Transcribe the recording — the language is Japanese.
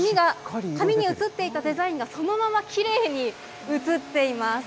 紙に写っていたデザインがそのままきれいに写っています。